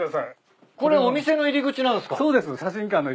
これお店の入り口なんすか？